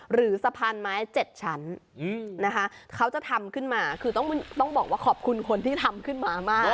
หรือสะพานไม้๗ชั้นนะคะเขาจะทำขึ้นมาคือต้องบอกว่าขอบคุณคนที่ทำขึ้นมามาก